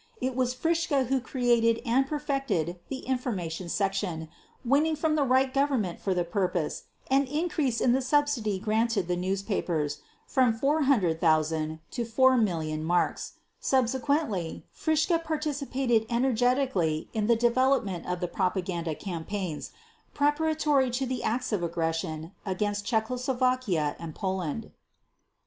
It was Fritzsche who created and perfected the Information Section winning from the Reich Government for the purpose an increase in the subsidy granted the newspapers from 400,000 to 4,000,000 marks. Subsequently Fritzsche participated energetically in the development of the propaganda campaigns preparatory to the acts of aggression against Czechoslovakia and Poland.